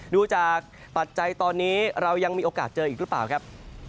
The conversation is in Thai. ดูจากปัจจัยตอนนี้เรายังมีโอกาสเจออีกหรือเปล่าครับ